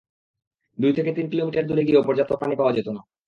দুই থেকে তিন কিলোমিটার দূরে গিয়েও পর্যাপ্ত পানি পাওয়া যেত না।